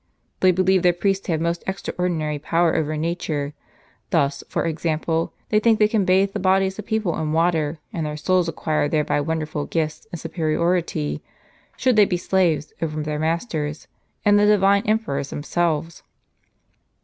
They believe their priests to have most extraordinary power over nature. Thus, for example, they think they can bathe the bodies of people in water, and their souls acquire thereby wonderful gifts and superiority, should they be slaves, over their masters, and the divine emperors themselves."